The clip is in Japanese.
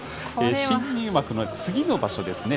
新入幕の次の場所ですね。